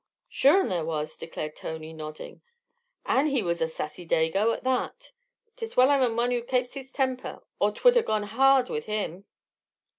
"Sure an' there was," declared Tony, nodding. "And he was a sassy dago, at that! 'Tis well I'm a mon who kapes his temper, or 'twould ha' gone har r rd wid him."